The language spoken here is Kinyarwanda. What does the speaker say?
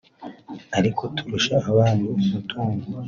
aliko turusha abandi umutungo